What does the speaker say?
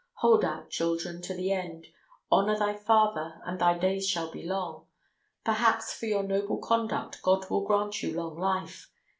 Hold out, children, to the end! Honour thy father and thy days shall be long. Perhaps for your noble conduct God will grant you long life.